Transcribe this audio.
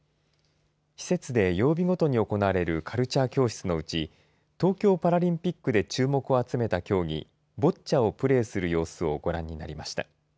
施設で曜日ごとに行われるカルチャー教室のうち東京パラリンピックで注目を集めた競技ボッチャをプレーする様子をご覧になりました。